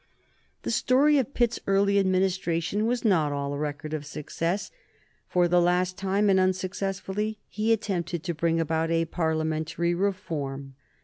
The story of Pitt's early administration was not all a record of success. For the last time, and unsuccessfully, he attempted to bring about a Parliamentary reform.